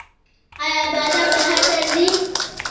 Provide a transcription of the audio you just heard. آیا بادام بهر ته ځي؟